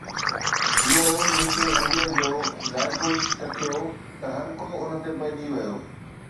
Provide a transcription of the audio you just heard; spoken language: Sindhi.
جيئن ئي مٺي انڊيءَ جو ذائقو چکيو ته هر ڪو ان تي پئجي ويو